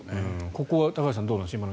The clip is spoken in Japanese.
ここは高橋さんどうなんでしょう